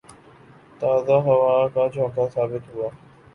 تازہ ہوا کا جھونکا ثابت ہوا